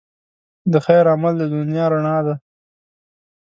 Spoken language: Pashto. د خیر عمل د دنیا رڼا ده.